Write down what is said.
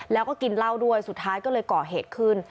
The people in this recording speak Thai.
แล้วก็กินเหล้าด้วยสุดท้ายก็เลยก่อเหตุขึ้น